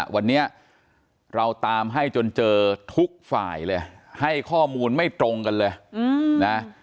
วันนี้เราตามให้จนเจอทุกฝ่ายเลยให้ข้อมูลไม่ตรงกันเลยนะ